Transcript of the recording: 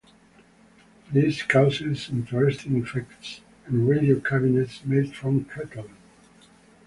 This caused interesting effects in radio cabinets made from Catalin.